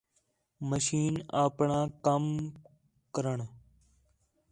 مشین اپݨاں کَم کرݨ